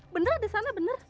bener ada sana bener